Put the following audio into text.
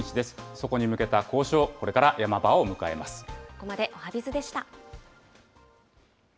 そこに向けた交渉、これからヤマここまで、おはＢｉｚでした。